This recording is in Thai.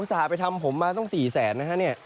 อุตส่าห์ไปทำผมมาต้อง๔๐๐๐๐นะ